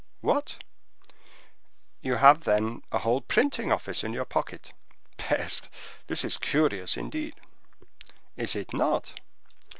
"What!" "You have, then, a whole printing office in your pocket. Peste! that is curious, indeed." "Is it not?"